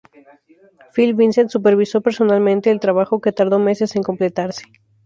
Phil Vincent supervisó personalmente el trabajo, que tardó meses en completarse.